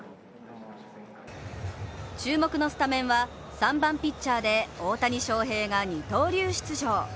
注目のスタメンは３番・ピッチャーで大谷翔平が二刀流出場。